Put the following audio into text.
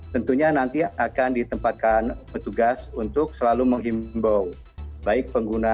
tentunya nanti akan ditempatkan petugas untuk selalu menghimbau